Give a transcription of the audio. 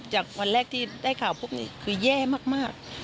วันแรกที่ได้ข่าวพวกนี้คือแย่มาก